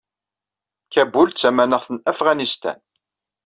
Kabul d tamaneɣt n Afɣanistan.